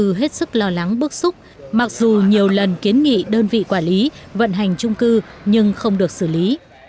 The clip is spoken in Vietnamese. các trung cư hết sức lo lắng bước xúc mặc dù nhiều lần kiến nghị đơn vị quản lý vận hành trung cư nhưng không được xử lý